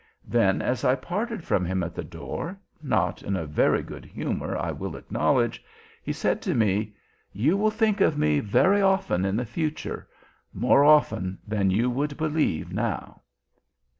Then, as I parted from him at the door, not in a very good humour I will acknowledge, he said to me: 'You will think of me very often in the future more often than you would believe now!